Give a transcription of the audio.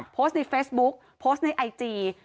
โพสต์ในเฟซบุ๊กโพสต์ในไอจี